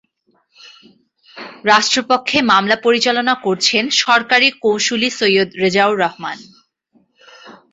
রাষ্ট্রপক্ষে মামলা পরিচালনা করছেন সরকারি কৌঁসুলি সৈয়দ রেজাউর রহমান।